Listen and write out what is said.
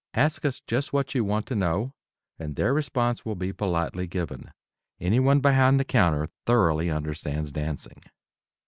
Ask us just what you want to know, and their response will be politely given. Anyone behind the counter thoroughly understands dancing.